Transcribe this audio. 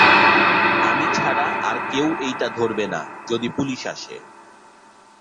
আমি ছাড়া আর কেউ এইটা ধরবেনা যদি পুলিশ আসে?